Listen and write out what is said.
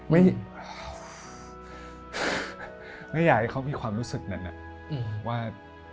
ไม่อยากให้เขามีความรู้สึกนั้นว่า